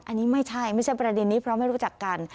อันนี้ไม่ใช่ไม่ใช่ประเด็นนี้เพราะไม่รู้จักกัน